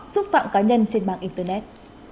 xúc phạm cá nhân trên mạng internet